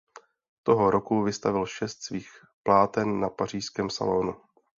Toho roku vystavil šest svých pláten na pařížském Salonu.